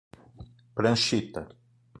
Pranchita